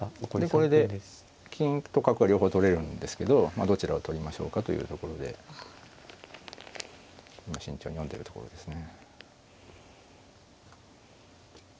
これで金と角が両方取れるんですけどどちらを取りましょうかというところで今慎重に読んでるところですね。